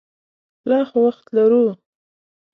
لا خو وخت لرو.